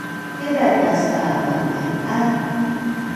haiza tas’a pan’aian